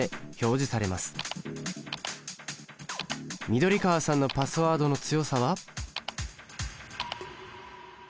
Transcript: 緑川さんのパスワードの強さは？